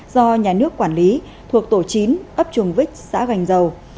do nhà nước quản lý thuộc tổ chín ấp chuồng vích xã gành dầu